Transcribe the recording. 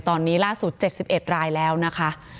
ตอนนี้ล่าสุด๗๑รายแล้วนะคะ